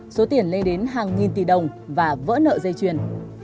số tiền lên đến hàng nghìn tỷ đồng và vỡ nợ dây chuyền